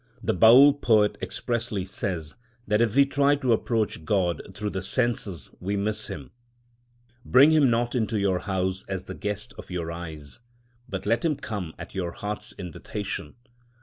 The Baül poet expressly says that if we try to approach God through the senses we miss him: Bring him not into your house as the guest of your eyes; but let him come at your heart's invitation.